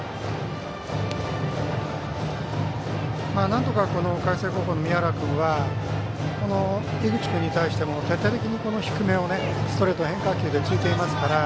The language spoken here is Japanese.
なんとか海星高校の宮原君は井口君に対しても徹底的に低めをストレートと変化球でついていますから。